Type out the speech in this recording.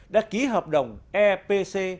đã ký hợp đồng epc